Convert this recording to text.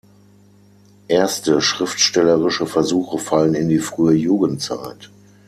Erste schriftstellerische Versuche fallen in die frühe Jugendzeit.